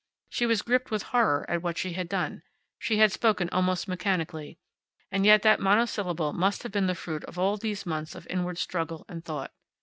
She was gripped with horror at what she had done. She had spoken almost mechanically. And yet that monosyllable must have been the fruit of all these months of inward struggle and thought.